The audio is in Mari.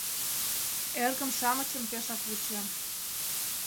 — Эргым-шамычым пешак вучем.